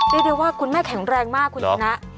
เรียกได้ว่าคุณแม่แข็งแรงมากคุณชนะ